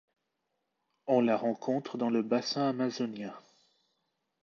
On la rencontre dans le bassin amazonien.